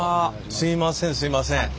すいませんすいません。